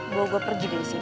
mau gue pergi dari sini